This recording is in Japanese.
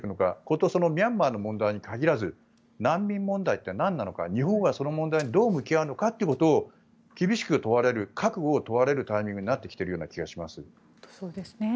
事、そのミャンマーの問題に限らず難民問題ってなんなのか日本はその問題にどう向き合うのかということを厳しく問われる覚悟を問われるタイミングになってきているような気がします。